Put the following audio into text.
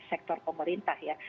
sektor pemerintah ya